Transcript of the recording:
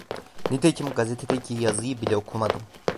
Nitekim gazetedeki yazıyı bile okumadım.